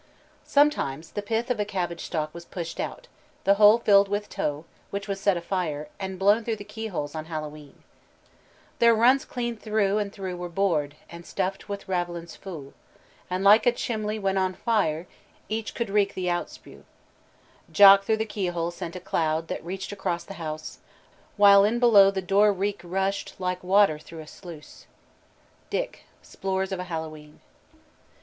Sometimes the pith of a cabbage stalk was pushed out, the hole filled with tow, which was set afire and blown through keyholes on Hallowe'en. "Their runts clean through and through were bored, And stuffed with raivelins fou, And like a chimley when on fire Each could the reek outspue. "Jock through the key hole sent a cloud That reached across the house, While in below the door reek rushed Like water through a sluice." DICK: _Splores of a Hallowe'en.